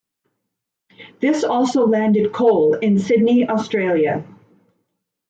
This also landed Cole in Sydney, Australia.